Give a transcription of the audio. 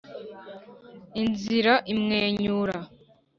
inzira imwenyura